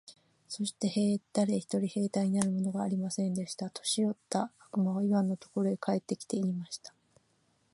そして誰一人兵隊になるものがありませんでした。年よった悪魔はイワンのところへ帰って来て、言いました。